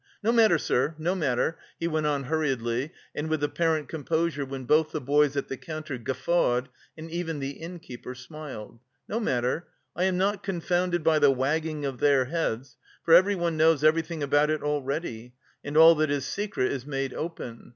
"No matter, sir, no matter!" he went on hurriedly and with apparent composure when both the boys at the counter guffawed and even the innkeeper smiled "No matter, I am not confounded by the wagging of their heads; for everyone knows everything about it already, and all that is secret is made open.